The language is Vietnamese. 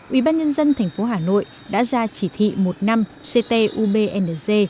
ubnd tp hà nội đã ra chỉ thị một năm ctubng